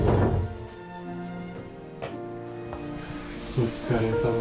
お疲れさまです。